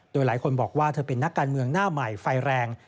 โดยหลายคนบอกว่าเธอเป็นนักการเมืองหน้าใหม่ไฟแรง